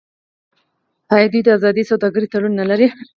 آیا دوی د ازادې سوداګرۍ تړون نلري؟